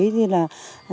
dạng dầu quế